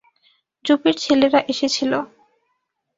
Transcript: জুপের ছেলেরা এসেছিল।